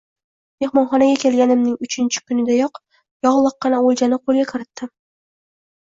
Mehmonxonaga kelganimning uchinchi kunidayoq yog`liqqina o`ljani qo`lga kiritdim